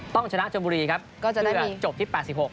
ต้องชนะจนบุรีครับเพื่อจบที่๘๖